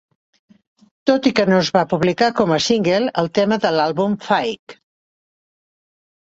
Tot i que no es va publicar com a single, el tema de l'àlbum Fight!